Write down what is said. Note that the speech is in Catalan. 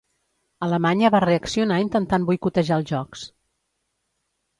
Alemanya va reaccionar intentant boicotejar els jocs.